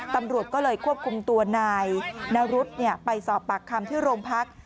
ตำรวจก็เลยควบคุมตัวนายนรุษไปสอบปากคำที่โรงพัก